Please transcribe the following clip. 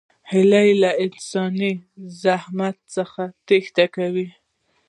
هیلۍ له انساني مزاحمت څخه تېښته کوي